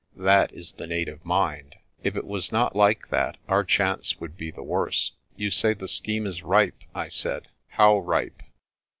That is the native mind. If it was not like that our chance would be the worse." "You say the scheme is ripe," I said; "how ripe?'